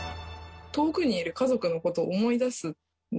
遠くにいる家族のことを思い出すんですよね。